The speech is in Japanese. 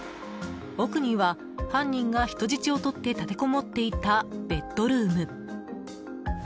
奥には犯人が人質をとって立てこもっていたベッドルーム。